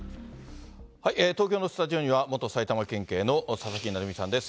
東京のスタジオには、元埼玉県警の佐々木成三さんです。